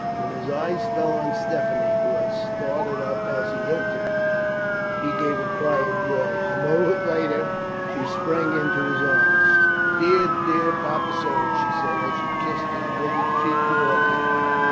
When his eyes fell on Stephanie, who had started up as he entered, he gave a cry of joy. A moment later she sprang into his arms. "Dear, dear, Papa Serge!" she said, as she kissed his withered cheeks warmly.